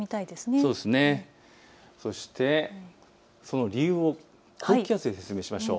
そして、その理由を高気圧で説明しましょう。